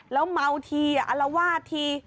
แล้วเหมาทีเอาละวาที